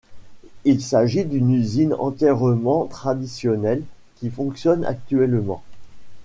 Il s'agit d'une usine entièrement traditionnelle, qui fonctionne actuellement.